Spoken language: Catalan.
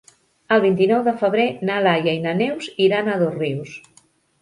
El vint-i-nou de febrer na Laia i na Neus iran a Dosrius.